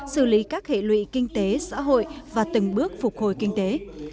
xử lý các hệ lụy kinh tế xã hội và từng bước phục hồi kinh tế